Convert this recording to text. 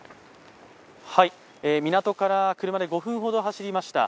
港から来るまで５分ほど走りました。